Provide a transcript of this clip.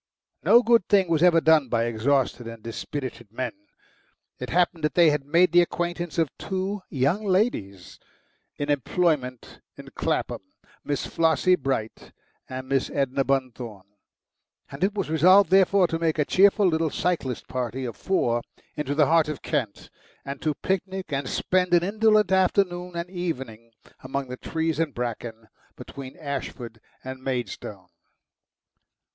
No good thing was ever done by exhausted and dispirited men. It happened that they had made the acquaintance of two young ladies in employment in Clapham, Miss Flossie Bright and Miss Edna Bunthorne, and it was resolved therefore to make a cheerful little cyclist party of four into the heart of Kent, and to picnic and spend an indolent afternoon and evening among the trees and bracken between Ashford and Maidstone.